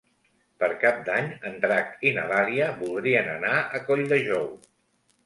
Per Cap d'Any en Drac i na Dàlia voldrien anar a Colldejou.